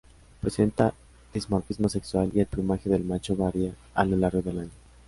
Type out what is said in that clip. Presenta dimorfismo sexual y el plumaje del macho varía a lo largo del año.